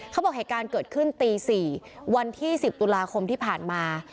เค้าบอกแห่งการเกิดขึ้นตี๔วันที่๑๐ตุลาคมที่ผ่านมา